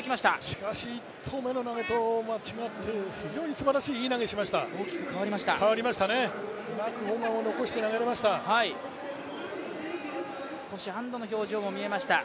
しかし、１投目の投げと違って非常にすばらしいいい投げをしました。